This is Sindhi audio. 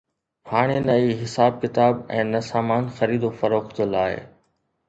هاڻي نه ئي حساب ڪتاب ۽ نه سامان خريد و فروخت لاءِ